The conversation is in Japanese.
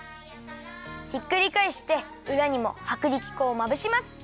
ひっくりかえしてうらにもはくりき粉をまぶします。